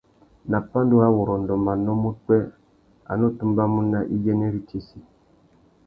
Nà pandúrâwurrôndô manô má upwê, a nù tumbamú nà iyênêritsessi.